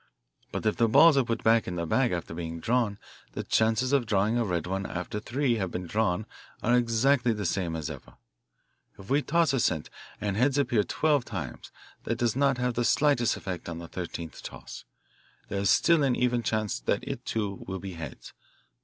But if the balls are put back in the bag after being drawn the chances of drawing a red one after three have been drawn are exactly the same as ever. If we toss a cent and heads appear twelve times, that does not have the slightest effect on the thirteenth toss there is still an even chance that it, too, will be heads.